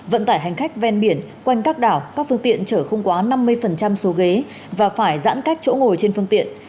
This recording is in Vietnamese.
vận tải hành khách ven biển quanh các đảo các phương tiện chở không quá năm mươi số ghế và phải giãn cách chỗ ngồi trên phương tiện